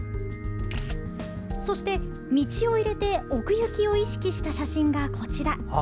そして、道を入れて奥行きを意識した写真がこちら。